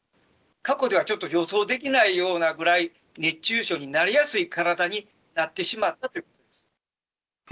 過去ではちょっと予想できないようなくらい、熱中症になりやすい体になってしまったということです。